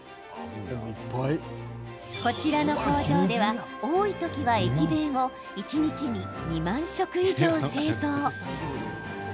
こちらの工場では、多い時は駅弁を一日に２万食以上、製造。